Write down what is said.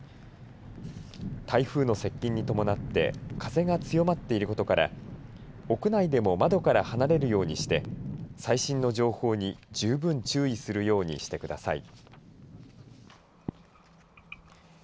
台風の接近に伴って風が強まっていることから屋内でも窓から離れるようにして最新の情報に十分注意するようにしてください。